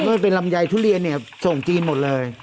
เมื่อเป็นลำไยทุเรียนส่งจีนหมดเลย